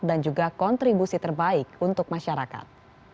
juga kontribusi terbaik untuk masyarakat